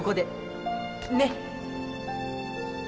ねっ？